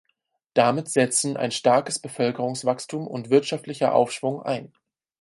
Damit setzten ein starkes Bevölkerungswachstum und wirtschaftlicher Aufschwung ein.